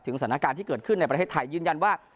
สถานการณ์ที่เกิดขึ้นในประเทศไทยยืนยันว่า